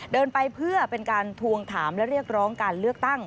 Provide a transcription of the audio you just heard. เดินไปเพื่อเป็นการทวงถามและเรียกร้องการเลือกตั้ง